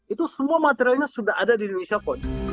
itu semua materialnya sudah ada di indonesia kok